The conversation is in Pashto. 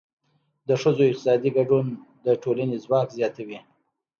د ښځو اقتصادي ګډون د ټولنې ځواک زیاتوي.